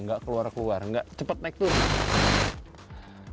nggak keluar keluar nggak cepat naik turun